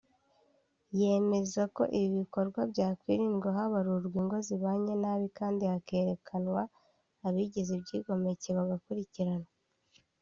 yemeza ko ibi bikorwa byakwirindwa habarurwa ingo zibanye nabi kandi hakerekanwa abigize ibyigomeke bagakurikiranwa